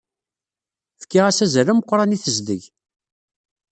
Fkiɣ-as azal ameqran i tezdeg.